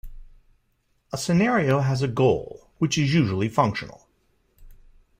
A scenario has a goal, which is usually functional.